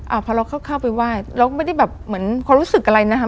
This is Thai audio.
อ่าพอเราเข้าไปไหว้เราก็ไม่ได้แบบเหมือนความรู้สึกอะไรนะคะ